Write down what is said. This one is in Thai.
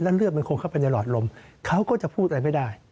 เลือดมันคงเข้าไปในหลอดลมเขาก็จะพูดอะไรไม่ได้